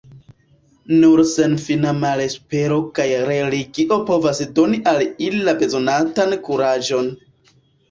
Nur senfina malespero kaj religio povas doni al ili la bezonatan kuraĝon.